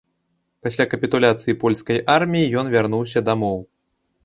Пасля капітуляцыі польскай арміі ён вярнуўся дамоў.